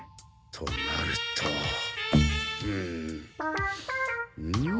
となるとうんん？